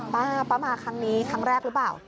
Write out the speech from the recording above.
ป้าป้ามาครั้งนี้ครั้งแรกหรือเปล่า